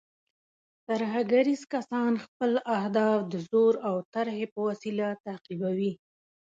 ترهګریز کسان خپل اهداف د زور او ترهې په وسیله تعقیبوي.